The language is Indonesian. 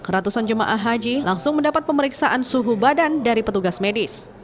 ratusan jemaah haji langsung mendapat pemeriksaan suhu badan dari petugas medis